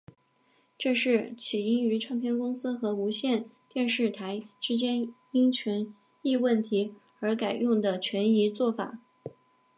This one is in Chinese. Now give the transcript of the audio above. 这是起因于唱片公司和无线电视台之间因权益问题而改用的权宜作法。